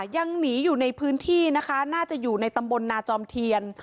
ยังหนีอยู่ในพื้นที่นะคะน่าจะอยู่ในตำบลนาจอมเทียน